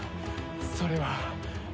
それは。